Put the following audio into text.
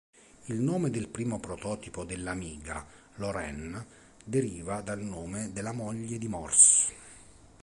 Il nome del primo prototipo dell'Amiga, "Lorraine", deriva dal nome della moglie di Morse.